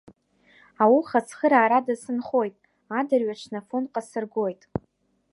Ауха цхыраарада сынхоит, адырҩаҽны Афонҟа сыргоит.